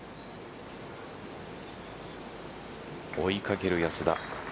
追いかける安田。